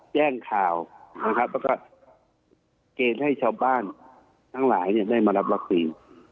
แจ้งข่าวนะครับแล้วก็เกณฑ์ให้ชาวบ้านทั้งหลายได้มารับวัคซีน